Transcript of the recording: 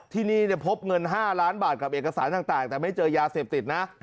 ที่นี่พบเงิน๕ล้านบาทกับเอกสารต่างแต่ไม่เจอยาเสพติดนะ